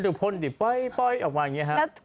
ก็ดูพ่นดิป้อยออกมาอย่างนี้ครับ